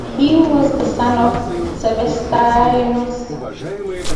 He was the son of Sebestyanos.